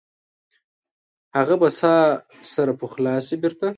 هغه به ساه سره پخلا شي بیرته؟